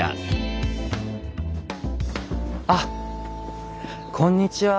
あっこんにちは